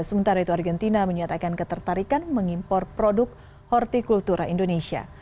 sementara itu argentina menyatakan ketertarikan mengimpor produk hortikultura indonesia